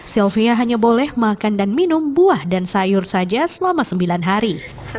sylvia hanya boleh makan dan minum buah dan sayur saja selama sembilan hari